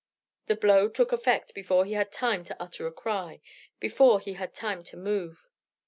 The blow took effect before he had time to utter a cry, before he had time to move.